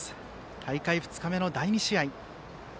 大会２日目の第２試合。